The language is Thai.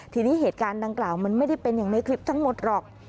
ทีนี้เหตุการณ์ดังกล่าวมันไม่ได้เป็นอย่างในคลิปทั้งหมดหรอก